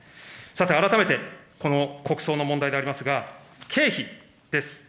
さて、改めてこの国葬の問題でありますが、経費です。